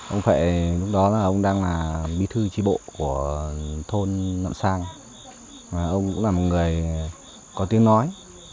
ông phệ lúc đó là ông đang là bí thư chi bộ của thôn nậm sang ông cũng là một người có tiếng nói